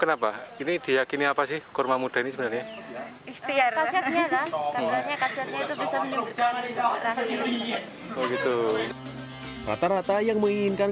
kenapa ini diakini apa sih kurma muda ini sebenarnya istiarah rata rata yang menginginkan